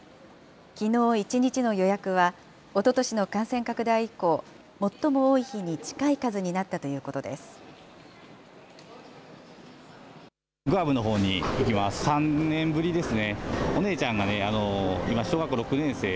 きのう１日の予約はおととしの感染拡大以降、最も多い日に近い数になったということです。